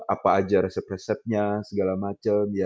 apa aja resep resepnya segala macam